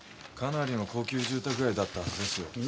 かなりの高級住宅街だったはずですよ。